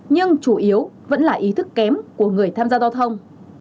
nhưng chủ yếu vẫn là ý thức kém của người tham gia giao thông